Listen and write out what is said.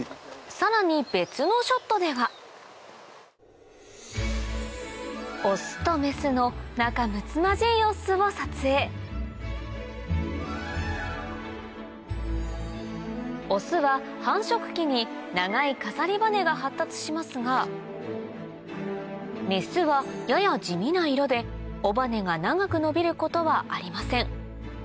さらに別のショットではオスとメスの仲むつまじい様子を撮影オスは繁殖期に長い飾り羽が発達しますがメスはやや地味な色で尾羽が長く伸びることはありません